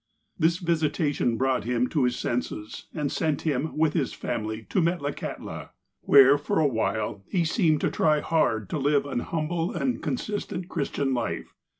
This visitation brought him to his senses, and sent him, with his family, to Metlakahtla, where, for a while, he seemed to try hard to live an humble and consistent Christian life.